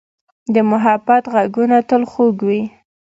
د محبت ږغونه تل خوږ وي.